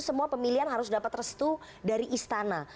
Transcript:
semua pemilihan harus dapat restu dari istana